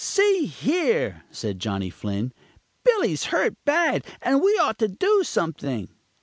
"See here!" said Johnny Flynn, "Billy's hurt bad, an' we ought to do something."